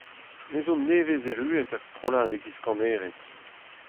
Me zo nevez erruet er strollad e-giz kanerez.